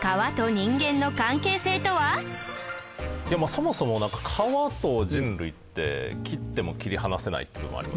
そもそも川と人類って切っても切り離せないっていうのもありますよね。